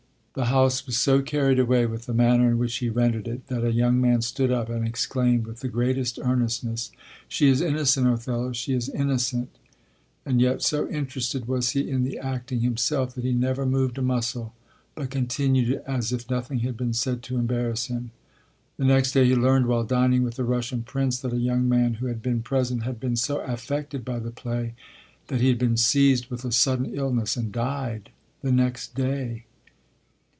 the house was so carried away with the manner in which he rendered it, that a young man stood up and exclaimed with the greatest earnestness: "She is innocent, Othello, she is innocent," and yet so interested was he in the acting himself that he never moved a muscle but continued as if nothing had been said to embarrass him. The next day he learned, while dining with a Russian prince, that a young man who had been present had been so affected by the play that he had been seized with a sudden illness and died the next day.